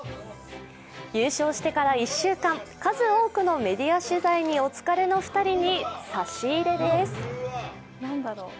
優勝してから１週間、数多くのメディアの取材にお疲れの２人に差し入れ。